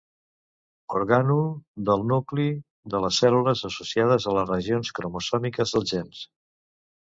Orgànul del nucli de les cèl·lules associat a les regions cromosòmiques dels gens.